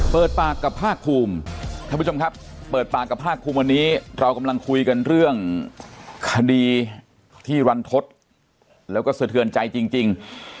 เปิดปากกับภาคภูมิท่านผู้ชมครับเปิดปากกับภาคภูมิวันนี้เรากำลังคุยกันเรื่องคดีที่รันทศแล้วก็สะเทือนใจจริง